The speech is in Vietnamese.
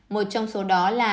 một trong số đó là